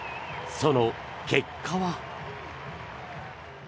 その結果は。